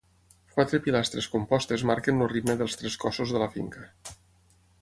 Quatre pilastres compostes marquen el ritme dels tres cossos de la finca.